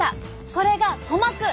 これが鼓膜。